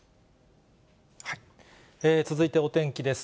続いてお天気です。